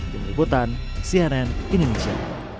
dengan ributan cnn indonesia